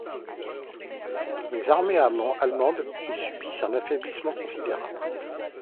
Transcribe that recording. Les armées allemandes y subissent un affaiblissement considérable.